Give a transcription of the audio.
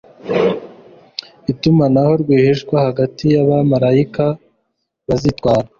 Itumanaho rwihishwa hagati yabamarayika bazitwara